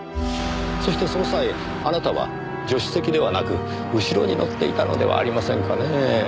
そしてその際あなたは助手席ではなく後ろに乗っていたのではありませんかねぇ。